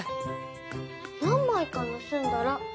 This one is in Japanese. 何まいかぬすんだら。